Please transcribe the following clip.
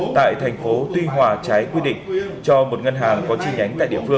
tại thành phố tuy hòa trái quy định cho một ngân hàng